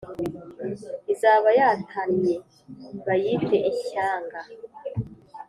izaba yatannye bayite ishyanga